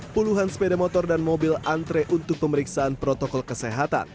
puluhan sepeda motor dan mobil antre untuk pemeriksaan protokol kesehatan